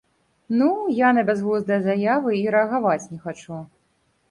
Ну-у, я на бязглуздыя заявы і рэагаваць не хачу.